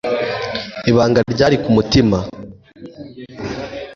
ibanga ryari ku mutima